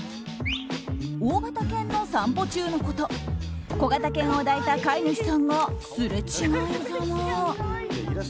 大型犬の散歩中のこと小型犬を抱いた飼い主さんがすれ違いざま。